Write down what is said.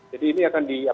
jadi ini akan di